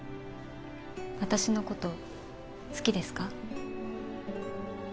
私の事好きですか？